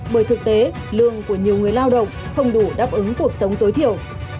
bởi thực tế lương của nhiều người lao động không đủ đáp ứng cuộc sống tối thiểu